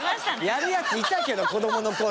やるヤツいたけど子供の頃。